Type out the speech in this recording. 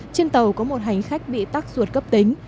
trên tàu có một hành khách bị tắc ruột cấp tính